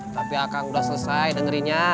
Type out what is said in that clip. tapi akang sudah selesai dengerinnya